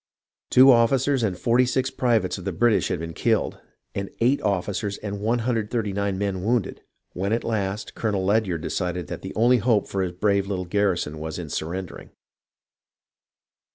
Two officers and 46 privates of the British had been killed, and 8 officers and 139 men wounded, when at last Colonel Ledyard decided that the only hope for his brave little garrison was in surrendering.